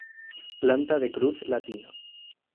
Planta de cruz latina.